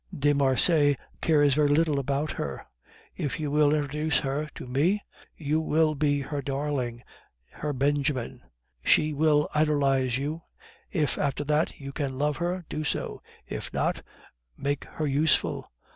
De Marsay cares very little about her. If you will introduce her to me, you will be her darling, her Benjamin; she will idolize you. If, after that, you can love her, do so; if not, make her useful.